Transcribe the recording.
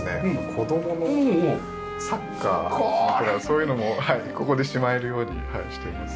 子供のサッカーとかそういうのもここにしまえるようにしています。